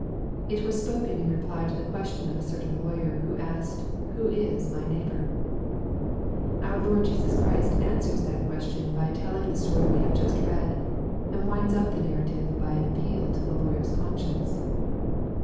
It was spoken in reply to the question of a certain lawyer, who asked, "who is my neighbor ?" Our Lord Jesus Christ answers that ques tion by telliog the story we have just read, and winds up the narrative by an appeal to the lawyer's conscience.